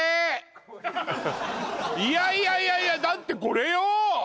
いやいやいやいやだってこれよ？